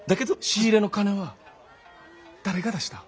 仕入れの金は誰が出した？